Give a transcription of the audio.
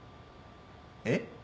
えっ？